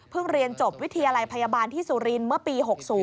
เรียนจบวิทยาลัยพยาบาลที่สุรินทร์เมื่อปี๖๐